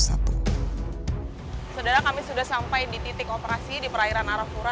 saudara kami sudah sampai di titik operasi di perairan arafura